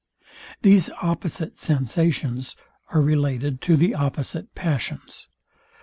These opposite sensations are related to the opposite passions.